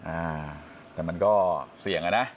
อ่าแต่มันก็เสี่ยงอะนะ